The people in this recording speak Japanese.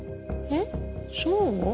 えっそう？